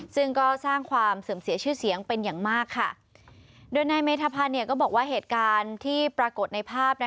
ซึ่งก็สร้างความเสื่อมเสียชื่อเสียงเป็นอย่างมากค่ะโดยนายเมธภัณฑ์ก็บอกว่าเหตุการณ์ที่ปรากฏในภาพ